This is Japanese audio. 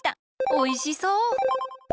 おいしそう！